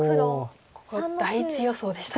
ここ第１予想でしたね。